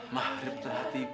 mahrib telah tiba